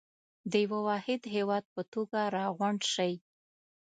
د يوه واحد هېواد په توګه راغونډ شئ.